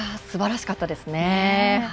すばらしかったですね。